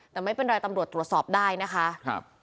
แต่ไม่เป็นไรตำรวจตรวจสอบได้นะคะ